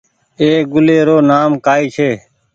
اي گُلي رو نآم ڪآئي ڇي۔